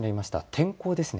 天候ですね